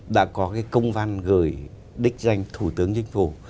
đã có cái công văn gửi đích danh thủ tướng chính phủ